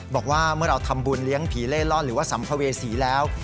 บอกว่าเมื่อเราทำบุญเลี้ยงผีเล่ร่อนหรือว่าสัมภเวษีแล้ว